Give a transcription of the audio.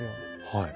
はい。